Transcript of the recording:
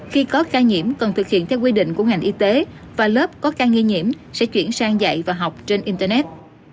khi có ca nhiễm cần thực hiện theo quy định của ngành y tế và lớp có ca nghi nhiễm sẽ chuyển sang dạy và học trên internet